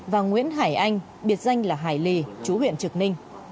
và nguyễn hải anh biệt danh là hải lý chú huyện trực ninh